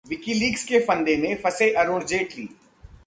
WikiLeaks के फंदे में फंसे अरुण जेटली